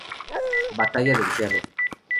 Batalla del Cerro.